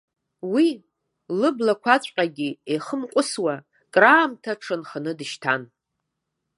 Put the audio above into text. Уи, лыблақәаҵәҟьагьы еихамҟәысуа, краамҭа дшанханы дышьҭан.